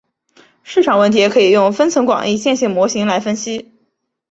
市场问题也可以用分层广义线性模型来分析。